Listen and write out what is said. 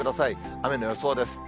雨の予想です。